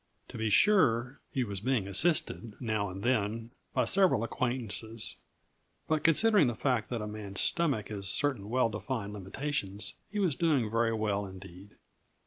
To be sure, he was being assisted, now and then, by several acquaintances; but considering the fact that a man's stomach has certain well defined limitations, he was doing very well, indeed.